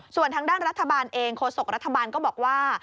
ส่วนทางด้านรัฐบาลเองโฆษกรัฐบาลก็บอกว่า